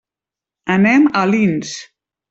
Anem a Alins.